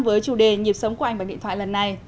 với chủ đề nhiệp sống của anh bằng điện thoại lần này